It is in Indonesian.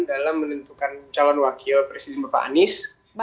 dalam menentukan calon wakil presiden bapak anies